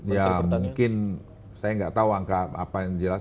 ya mungkin saya nggak tahu angka apa yang jelas